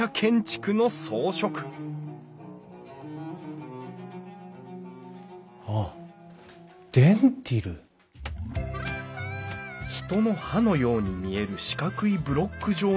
人の歯のように見える四角いブロック状の模様のこと。